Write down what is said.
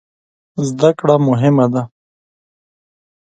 زده کړه مهم ده